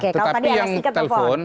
kalau tadi ada sikat telepon